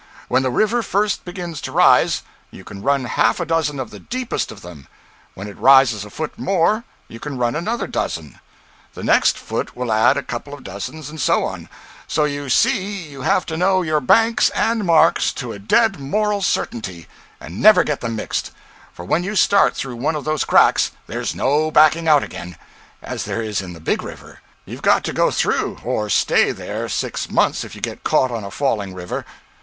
When the river first begins to rise, you can run half a dozen of the deepest of them; when it rises a foot more you can run another dozen; the next foot will add a couple of dozen, and so on: so you see you have to know your banks and marks to a dead moral certainty, and never get them mixed; for when you start through one of those cracks, there's no backing out again, as there is in the big river; you've got to go through, or stay there six months if you get caught on a falling river.